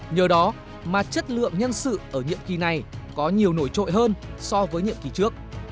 nhờ đó mà chất lượng nhân sự ở nhiệm kỳ này có nhiều nổi trội hơn so với nhiệm kỳ trước